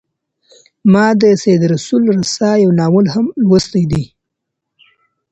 ما د سید رسول رسا یو ناول هم لوستی دی.